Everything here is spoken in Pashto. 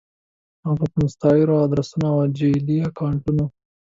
هفه په مستعارو ادرسونو او جعلي اکونټونو